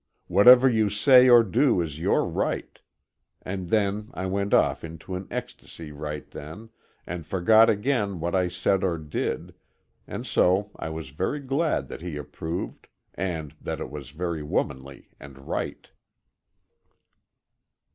Whatever you say or do is your right," and then I went off into an ecstasy right then, and forgot again what I said or did, and so I was very glad that he approved, and that it was very womanly and right.